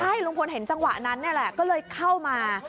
ใช่ลุงคนเห็นจังหวะนั้นก็เลยเข้ามา